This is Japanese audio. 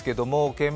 現場